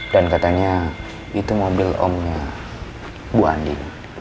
dan katanya itu mobil omnya bu andi